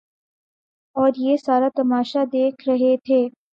اوریہ سارا تماشہ دیکھ رہے تھے۔